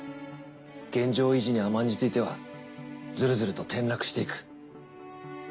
現状維持に甘んじていてはズルズルと転落していく。